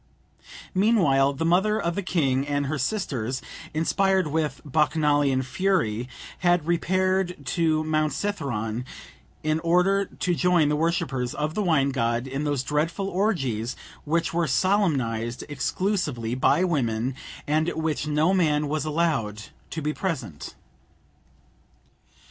Meanwhile, the mother of the king and her sisters, inspired with Bacchanalian fury, had repaired to Mount Cithæron, in order to join the worshippers of the wine god in those dreadful orgies which were solemnized exclusively by women, and at which no man was allowed to be present.